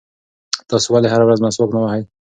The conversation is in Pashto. تاسې ولې هره ورځ مسواک نه وهئ؟